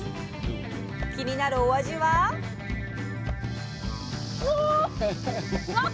気になるお味は⁉うおっ！